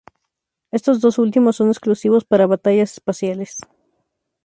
Estos dos últimos son exclusivos para batallas espaciales.